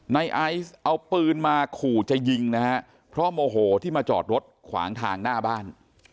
ในไอซ์เอาปืนมาขู่จะยิงนะฮะเพราะโมโหที่มาจอดรถขวางทางหน้าบ้าน